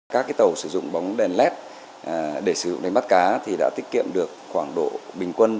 các tàu sử dụng bóng đèn led để sử dụng đánh bắt cá thì đã tiết kiệm được khoảng độ bình quân